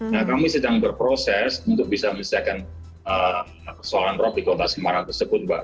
nah kami sedang berproses untuk bisa menyelesaikan persoalan rob di kota semarang tersebut mbak